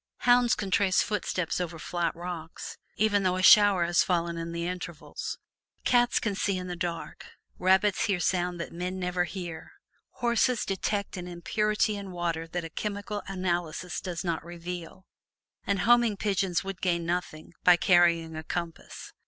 Hounds can trace footsteps over flat rocks, even though a shower has fallen in the interval; cats can see in the dark; rabbits hear sounds that men never hear; horses detect an impurity in water that a chemical analysis does not reveal, and homing pigeons would gain nothing by carrying a compass.